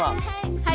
はい。